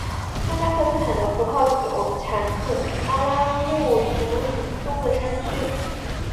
哈萨克斯坦的葡萄酒产自阿拉木图以东的山区。